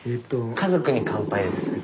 「家族に乾杯」です。